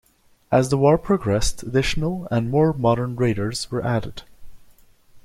As the war progressed additional and more modern radars were added.